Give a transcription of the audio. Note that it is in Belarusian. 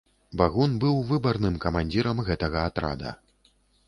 Багун быў выбарным камандзірам гэтага атрада.